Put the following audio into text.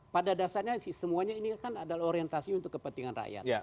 pada dasarnya semuanya ini kan adalah orientasi untuk kepentingan rakyat